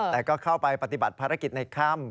แต่ก็เข้าไปปฏิบัติภารกิจในค่ำ